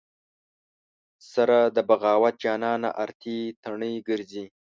سره د بغاوت جانانه ارتې تڼۍ ګرځې